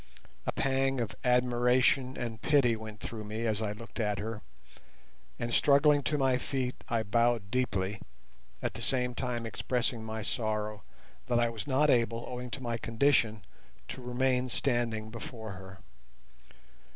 A pang of admiration and pity went through me as I looked at her, and struggling to my feet I bowed deeply, at the same time expressing my sorrow that I was not able, owing to my condition, to remain standing before her.